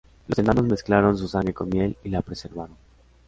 Los enanos mezclaron su sangre con miel y la preservaron.